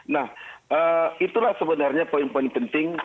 nah itulah sebenarnya poin poin penting